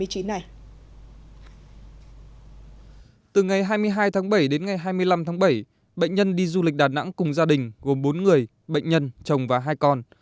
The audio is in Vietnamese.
từ ngày hai mươi hai tháng bảy đến ngày hai mươi năm tháng bảy bệnh nhân đi du lịch đà nẵng cùng gia đình gồm bốn người bệnh nhân chồng và hai con